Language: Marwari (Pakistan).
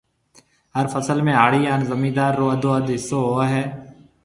هر فصل ۾ هاڙِي هانَ زميندار رو اڌواڌ هسو هوئي هيَ۔